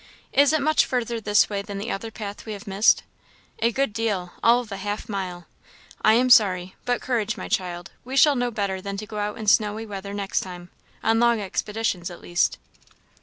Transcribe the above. "Is it much further this way than the other path we have missed?" "A good deal all of half a mile. I am sorry; but courage, my child! we shall know better than to go out in snowy weather next time on long expeditions, at least."